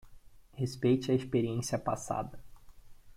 Respeite a experiência passada